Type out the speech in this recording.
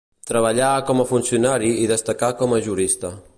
Treballà com a funcionari i destacà com a jurista.